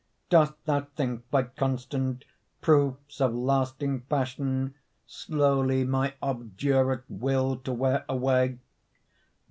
Dost thou think by constant Proofs of lasting passion, Slowly my obdurate Will to wear away?